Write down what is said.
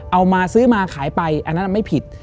เอามาซื้อมาขายไปอันนั้นไม่ผิด